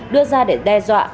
đưa ra để đe dọa